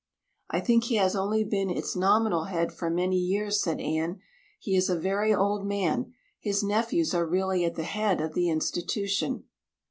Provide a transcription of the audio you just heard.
"I think he has only been its nominal head for many years," said Anne. "He is a very old man; his nephews are really at the head of the institution."